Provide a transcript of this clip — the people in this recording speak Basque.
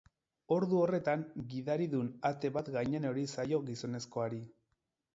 Ordu horretan, gidaridun ate bat gainean erori zaio gizonezkoari.